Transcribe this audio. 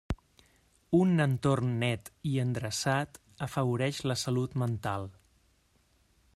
Un entorn net i endreçat afavoreix la salut mental.